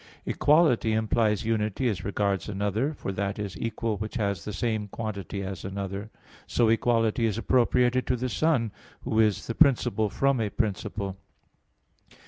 "Equality" implies unity as regards another; for that is equal which has the same quantity as another. So equality is appropriated to the Son, Who is the "principle from a principle."